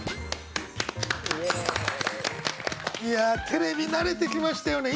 テレビ慣れてきましたよね。